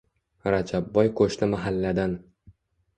Rajabboy qoʼshni mahalladan